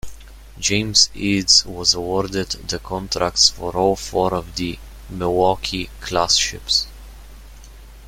James Eads was awarded the contracts for all four of the "Milwaukee"-class ships.